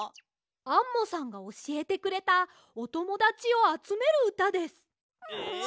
アンモさんがおしえてくれたおともだちをあつめるうたです。え？